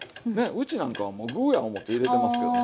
うちなんかはもう具や思って入れてますけどね。